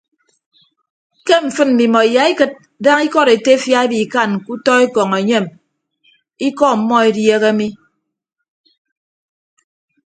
Ke mfịn mmimọ iyaikịd daña ikọd etefia ebikan ke utọ ekọñ enyem ikọ ọmmọ edieehe mi.